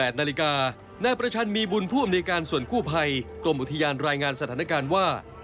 นาฬิกานายประชันมีบุญผู้อำนวยการส่วนกู้ภัยกรมอุทยานรายงานสถานการณ์ว่า